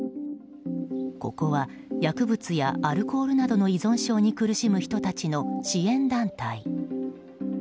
ここは、薬物やアルコールなどの依存症に苦しむ人たちの支援団体。